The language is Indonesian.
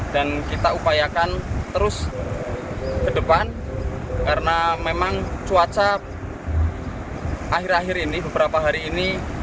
dan kita upayakan terus ke depan karena memang cuaca akhir akhir ini beberapa hari ini